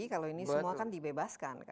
kalau ini semua kan dibebaskan